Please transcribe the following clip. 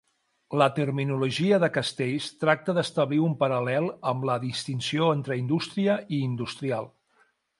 La terminologia de Castells tracta d'establir un paral·lel amb la distinció entre indústria i industrial.